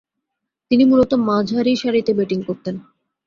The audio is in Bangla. তিনি মূলতঃ মাঝারিসারিতে ব্যাটিং করতেন।